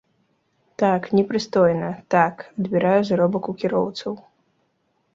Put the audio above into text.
Так, непрыстойна, так, адбіраю заробак у кіроўцаў.